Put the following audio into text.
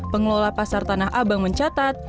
pengelola pasar tanah abang mencatat